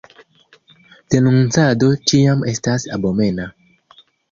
Denuncado ĉiam estas abomena.